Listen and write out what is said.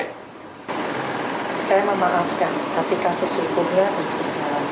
saya memaafkan tapi kasus hukumnya terus berjalan